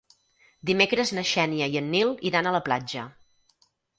Dimecres na Xènia i en Nil iran a la platja.